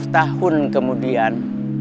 tiga puluh tahun kemudian